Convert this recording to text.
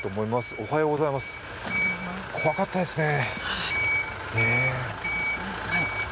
おはようございます、怖かったですね。